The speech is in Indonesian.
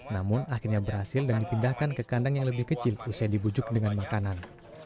namun akhirnya berhasil dan dipindahkan ke kandang yang lebih kecil usai dibujuk dengan makanan